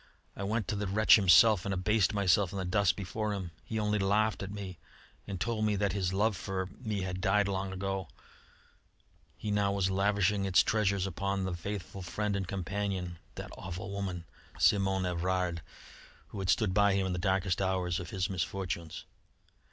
I went to the wretch himself and abased myself in the dust before him. He only laughed at me and told me that his love for me had died long ago; he now was lavishing its treasures upon the faithful friend and companion that awful woman, Simonne Evrard who had stood by him in the darkest hours of his misfortunes.